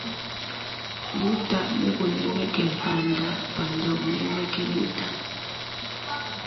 Buta bunemeka panda panda unemeka buta.